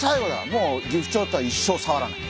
もうギフチョウとは一生さわらない。